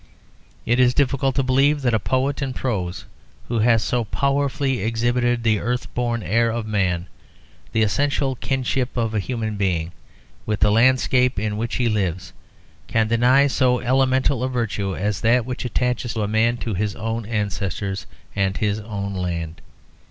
It is difficult to believe that a poet in prose who has so powerfully exhibited the earth born air of man, the essential kinship of a human being, with the landscape in which he lives, can deny so elemental a virtue as that which attaches a man to his own ancestors and his own land.